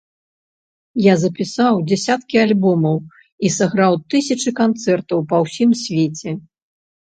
Я запісаў дзясяткі альбомаў і сыграў тысячы канцэртаў па ўсім свеце.